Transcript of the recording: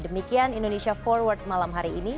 demikian indonesia forward malam hari ini